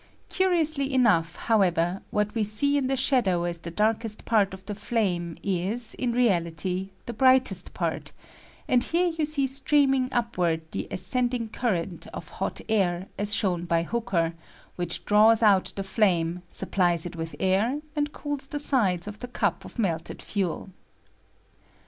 Curiously enough, however, what we see in the shadow as the darkest part of the flame is, in reality, the brightest part; and here you see streaming upward the ascend ing current of hot air, as shown by Hooker, which draws out the flame, supplies it with air, and cools the sides of the cup of melted fuel. r ASCENT OF FLAME.